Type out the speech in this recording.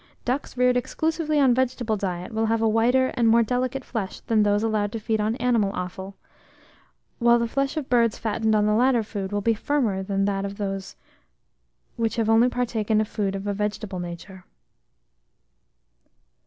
Ducks reared exclusively on vegetable diet will have a whiter and more delicate flesh than those allowed to feed on animal offal; while the flesh of birds fattened on the latter food, will be firmer than that of those which have only partaken of food of a vegetable nature.